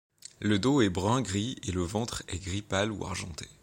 Le dos est brun gris et le ventre est gris pâle ou argenté.